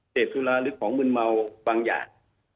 สุราหรือของมืนเมาบางอย่าง